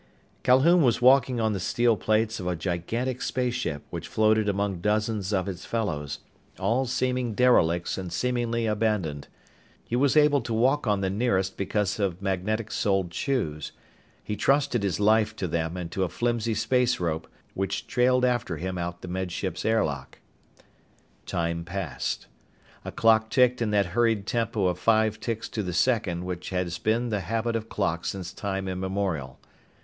Calhoun was walking on the steel plates of a gigantic spaceship which floated among dozens of its fellows, all seeming derelicts and seemingly abandoned. He was able to walk on the nearest because of magnetic soled shoes. He trusted his life to them and to a flimsy space rope which trailed after him out the Med Ship's airlock. Time passed. A clock ticked in that hurried tempo of five ticks to the second which has been the habit of clocks since time immemorial.